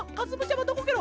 まどこケロ？